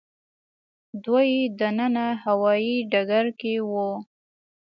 دوی دننه هوايي ډګر کې وو.